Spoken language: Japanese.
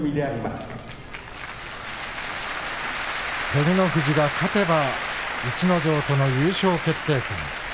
照ノ富士が勝てば逸ノ城との優勝決定戦。